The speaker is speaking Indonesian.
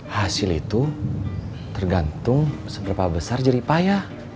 hasil itu tergantung seberapa besar jeripaya